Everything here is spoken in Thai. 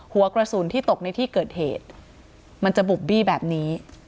หัวกระสุนที่ตกในที่เกิดเหตุมันจะบุบบี้แบบนี้